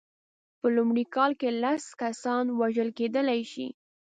په لومړۍ کال کې لس کسان وژل کېدلای شي.